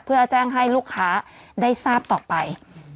เพื่อแจ้งให้ลูกค้าได้ทราบต่อไป